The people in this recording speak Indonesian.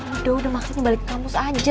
udah udah maksudnya balik ke kampus aja